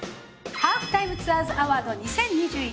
ハーフタイムツアーズアワード２０２１。